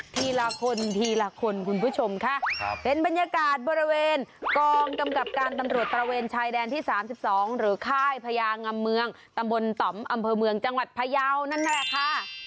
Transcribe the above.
ทีละคนทีละคนคุณผู้ชมค่ะครับเป็นบรรยากาศบริเวณกองกำกับการตำรวจตระเวนชายแดนที่๓๒หรือค่ายพญางำเมืองตำบลต่อมอำเภอเมืองจังหวัดพยาวนั่นแหละค่ะ